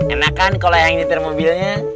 enak kan kalau yang ini ter mobilnya